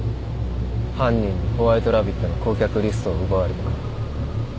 犯人にホワイトラビットの顧客リストを奪われてな。